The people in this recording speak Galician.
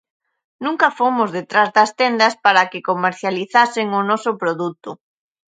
Nunca fomos detrás das tendas para que comercializasen o noso produto.